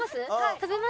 食べます。